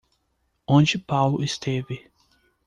Onde Paulo esteve?